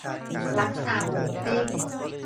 ลักซาหมูปิ้ง